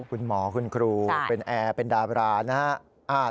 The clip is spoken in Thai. คุณหมอคุณครูเป็นแอร์เป็นดาบรานะครับ